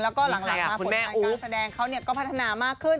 แล้วก็หลังมาผลงานการแสดงเขาก็พัฒนามากขึ้น